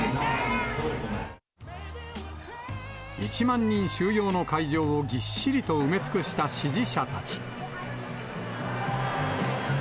１万人収容の会場をぎっしりと埋め尽くした支持者たち。